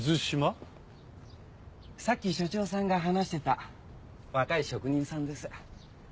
さっき署長さんが話してた若い職人さんです。